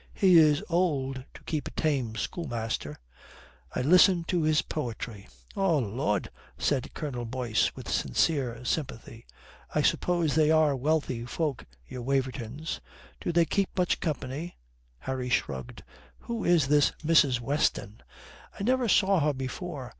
He is old to keep a tame schoolmaster." "I listen to his poetry." "Oh Lud!" said Colonel Boyce, with sincere sympathy. "I suppose they are wealthy folk, your Wavertons. Do they keep much company?" Harry shrugged. "Who is this Mrs. Weston?" "I never saw her before."